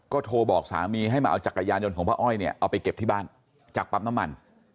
ก็โทรบอกสามีให้มาเอาจักรยานยนต์ของป้าอ้อยเนี่ยเอาไปเก็บที่บ้านจากปั๊มน้ำมัน